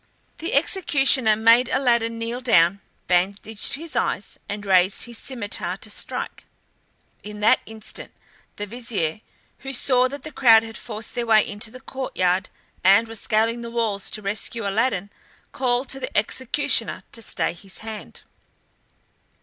The executioner made Aladdin kneel down, bandaged his eyes, and raised his scimitar to strike. At that instant the Vizier, who saw that the crowd had forced their way into the courtyard and were scaling the walls to rescue Aladdin, called to the executioner to stay his hand.